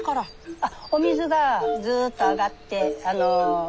あっお水がずっと上がってあの白梅酢。